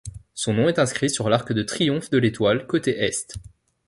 Son nom est inscrit sur l'arc de triomphe de l'Étoile, côté est.